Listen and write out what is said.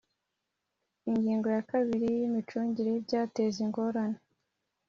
Ingingo ya kabiri Imicungire y ibyateza ingorane